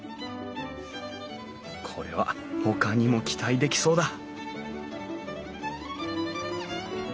これはほかにも期待できそうだ！